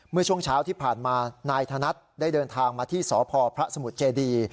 เมื่อช่วงเช้าที่ผ่านมานายธนัดได้เดินทางมาที่สพพระสมุทรเจดี